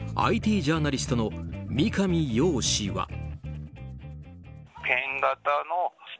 ＩＴジャーナリストの三上洋氏は。